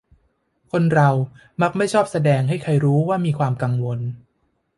คนเรามักไม่ชอบแสดงให้ใครรู้ว่ามีความกังวล